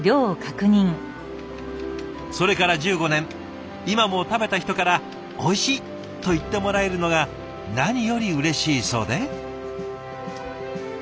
それから１５年今も食べた人から「おいしい」と言ってもらえるのが何よりうれしいそうで。